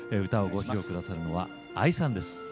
歌をご披露くださるのはＡＩさんです。